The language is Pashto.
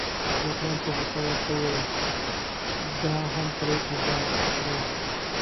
اکبرجان په غوسه ورته وویل ده هم پرې ګوزار کړی.